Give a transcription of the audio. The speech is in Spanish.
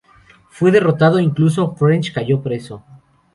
Fue derrotado, e incluso French cayó preso.